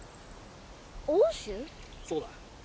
そうだ。